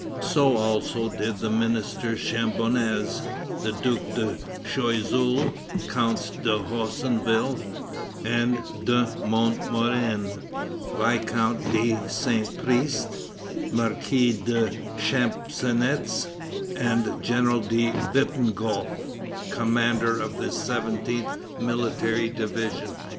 So also did the Minister Chambonas, the Duke de Choiseul, Counts d'Haussonville and de Montmorin, Viscount de Saint Priest, Marquis de Champcenetz, and General de Wittenghoff, commander of the 17th military division.